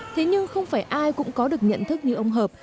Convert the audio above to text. thế nhưng không phải ai cũng có được nhận thức như ông hợp